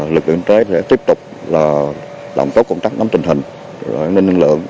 lực lượng tế tiếp tục làm tốt công tác nắm tình hình nâng lượng